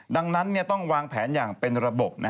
ดังนั้นต้องวางแผนอย่างเป็นระบบ